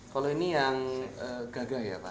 kalau ini yang gagah ya pak